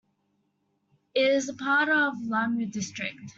It is a part of Lamu District.